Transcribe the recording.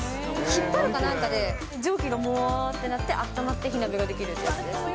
引っ張るかなんかで、蒸気がもわーってなって温まって火鍋ができるってやつです。